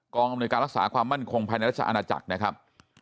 อำนวยการรักษาความมั่นคงภายในราชอาณาจักรนะครับ